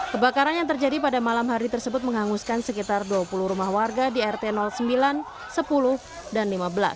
kebakaran yang terjadi pada malam hari tersebut menghanguskan sekitar dua puluh rumah warga di rt sembilan sepuluh dan lima belas